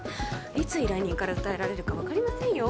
いつ依頼人から訴えられるか分かりませんよ